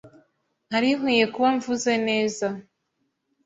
Nari nkwiye kuba mvuze neza.